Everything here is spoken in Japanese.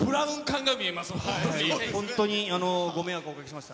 本当にご迷惑をおかけしました。